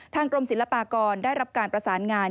กรมศิลปากรได้รับการประสานงาน